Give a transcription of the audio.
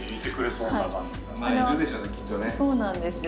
そうなんですよ。